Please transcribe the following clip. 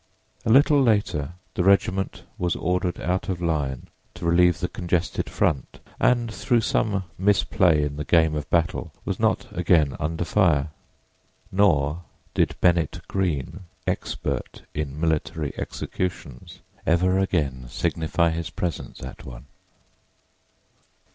A little later the regiment was ordered out of line to relieve the congested front, and through some misplay in the game of battle was not again under fire. Nor did Bennett Greene, expert in military executions, ever again signify his presence at one.